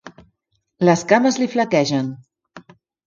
Les cames li flaquegen.